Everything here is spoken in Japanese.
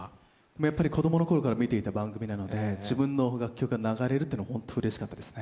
やっぱり子どものころから見ていた番組なので自分の楽曲が流れるというのは本当うれしかったですね。